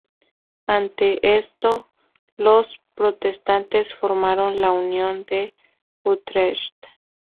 Ante esto, los protestantes formaron la Unión de Utrecht.